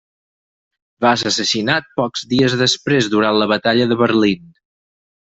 Va ser assassinat pocs dies després, durant la Batalla de Berlín.